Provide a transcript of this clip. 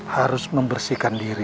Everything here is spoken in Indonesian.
harus membersihkan diri